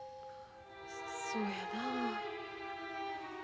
そうやなあ。